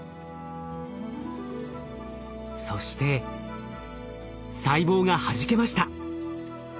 そして細胞がはじけました。